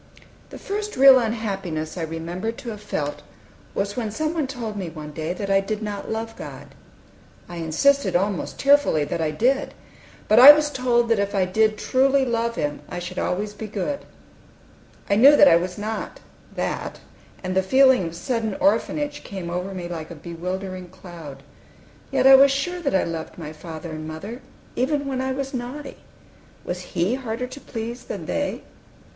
The first real unhappiness I remember to have felt was when some one told me, one day, that I did not love God. I insisted, almost tearfully, that I did; but I was told that if I did truly love Him I should always be good. I knew I was not that, and the feeling of sudden orphanage came over me like a bewildering cloud. Yet I was sure that I loved my father and mother, even when I was naughty, Was He harder to please than they?